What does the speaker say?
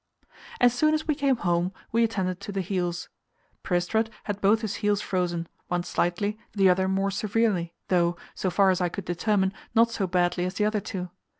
As soon as we came home, we attended to the heels. Prestrud had both his heels frozen, one slightly, the other more severely, though, so far as I could determine, not so badly as the other two.